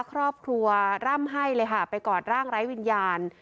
ครอบครัวร่ำให้เลยค่ะไปกอดร่างไร้วิญญาณ